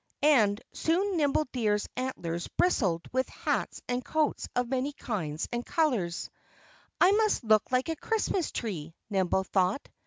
And soon Nimble Deer's antlers bristled with hats and coats of many kinds and colors. "I must look like a Christmas tree," Nimble thought.